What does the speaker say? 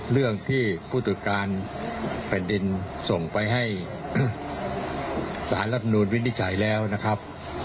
เรื่องที่ผู้ตรวจการแผ่นดินส่งไปให้สารรับนูลวินิจฉัยแล้วนะครับ